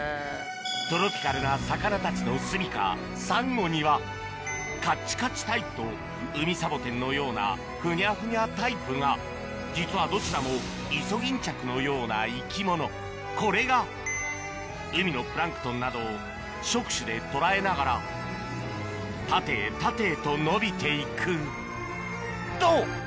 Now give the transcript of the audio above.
トロピカルな魚たちのすみかサンゴにはカッチカチタイプとウミサボテンのようなフニャフニャタイプが実はどちらもイソギンチャクのような生き物これが海のプランクトンなどを触手で捕らえながら縦へ縦へと伸びていくと！